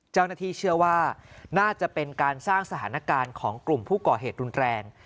เจ้าหน้าที่เชื่อว่าน่าจะเป็นการสร้างสถานการณ์ของกลุ่มผู้ก่อเหตุรุนแรง